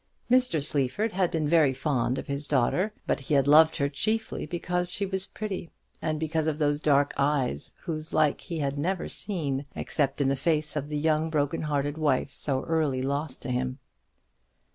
Mr. Sleaford had been very fond of his only daughter; but he had loved her chiefly because she was pretty, and because of those dark eyes whose like he had never seen except in the face of that young broken hearted wife so early lost to him.